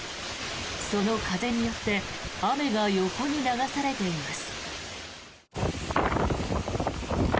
その風によって雨が横に流されています。